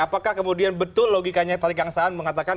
apakah kemudian betul logikanya tali kangsaan mengatakan